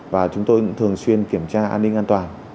và chúng tôi cũng thường xuyên kiểm tra an ninh an toàn